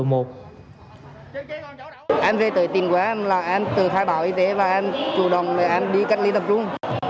em về từ tìm quán em từ khai bảo y tế và em chủ động đi cách ly tập trung